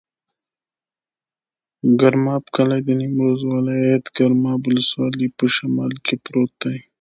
د ګرماب کلی د نیمروز ولایت، ګرماب ولسوالي په شمال کې پروت دی.